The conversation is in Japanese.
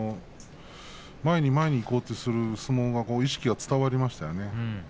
前に前にいこうとする相撲意識が伝わりましたね。